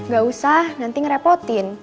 gak usah nanti ngerepotin